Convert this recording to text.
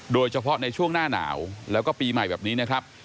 โดยเฉพาะในช่วงหน้าหนาวแล้วก็ปีใหม่แบบนี้นะครับ